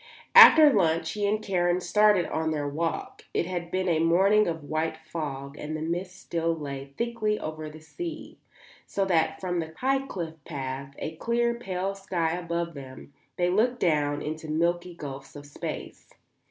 After lunch he and Karen started on their walk. It had been a morning of white fog and the mist still lay thickly over the sea, so that from the high cliff path, a clear, pale sky above them, they looked down into milky gulfs of space.